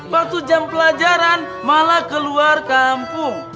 waktu jam pelajaran malah keluar kampung